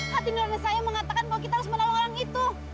hati nurani saya mengatakan bahwa kita harus menolong orang itu